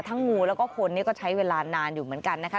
งูแล้วก็คนนี้ก็ใช้เวลานานอยู่เหมือนกันนะคะ